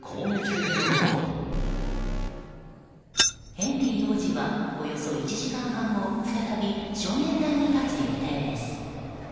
ヘンリー王子はおよそ１時間半後再び証言台に立つ予定です。